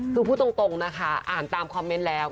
คือพูดตรงนะคะอ่านตามคอมเมนต์แล้ว